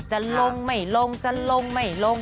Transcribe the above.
จะลงไม่ลงจะลงไม่ลง